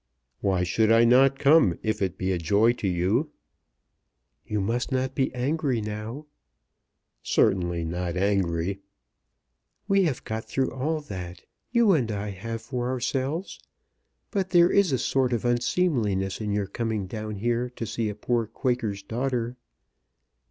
"Why should I not come if it be a joy to you?" "You must not be angry now." "Certainly not angry." "We have got through all that, you and I have for ourselves; but there is a sort of unseemliness in your coming down here to see a poor Quaker's daughter."